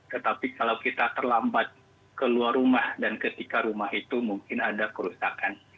tetapi kalau kita terlambat keluar rumah dan ketika rumah itu mungkin ada kerusakan